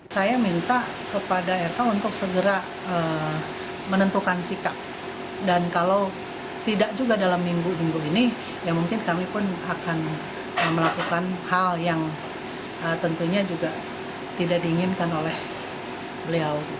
saya minta kepada rk untuk segera menentukan sikap dan kalau tidak juga dalam minggu minggu ini ya mungkin kami pun akan melakukan hal yang tentunya juga tidak diinginkan oleh beliau